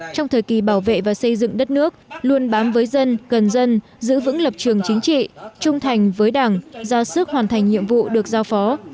trong thời kỳ bảo vệ và xây dựng đất nước luôn bám với dân gần dân giữ vững lập trường chính trị trung thành với đảng ra sức hoàn thành nhiệm vụ được giao phó